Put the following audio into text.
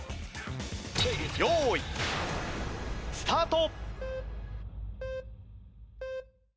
用意スタート！